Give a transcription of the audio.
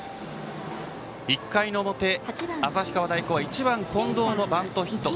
１回表、旭川大高は１番、近藤のバントヒット。